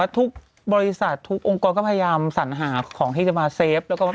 ทุกบริษัททุกองค์กรก็พยายามสัญหาของที่จะมาเซฟ